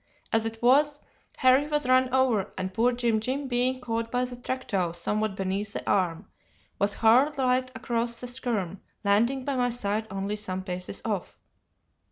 As it was, Harry was run over, and poor Jim Jim being caught by the trektow somewhere beneath the arm, was hurled right across the skerm, landing by my side only some paces off.